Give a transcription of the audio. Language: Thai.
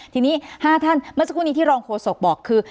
ทีนี้๕ท่านเมื่อสักครู่นี้ที่รองโฆษกบอกคือ